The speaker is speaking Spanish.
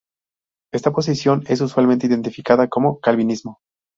Esta posición es usualmente identificada como Calvinismo.